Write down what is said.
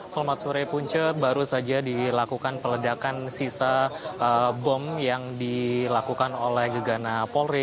selamat sore punce baru saja dilakukan peledakan sisa bom yang dilakukan oleh gegana polri